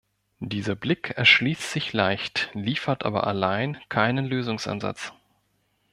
Dieser Blick erschließt sich leicht, liefert aber allein keinen Lösungsansatz.